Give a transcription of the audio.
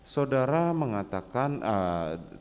saudara mengatakan eee